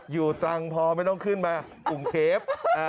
อยู่ตรังพอไม่ต้องขึ้นมาอุ่งเคฟ